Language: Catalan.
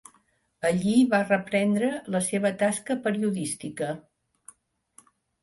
Allí va reprendre la seva tasca periodística.